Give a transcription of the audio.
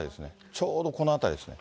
ちょうどこの辺りですね。